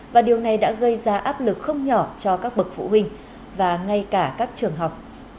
và điều này đã gây ra áp lực không nhỏ cho các bậc phụ huynh và ngay cả các trường học